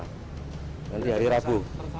nanti hari rabu